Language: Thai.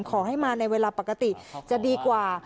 ขอให้มาในเวลาปกติจะดีกว่า